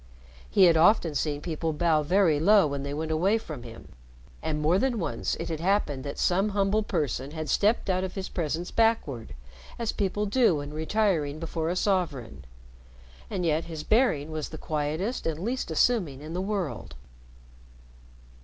He had often seen people bow very low when they went away from him, and more than once it had happened that some humble person had stepped out of his presence backward, as people do when retiring before a sovereign. And yet his bearing was the quietest and least assuming in the world.